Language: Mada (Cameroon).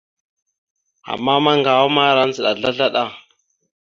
Ama maŋgawa ma andza slaslaɗa.